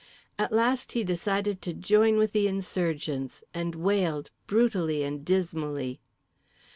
At last he decided to join with the insurgents, and wailed brutally and dismally.